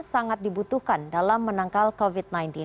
sangat dibutuhkan dalam menangkal covid sembilan belas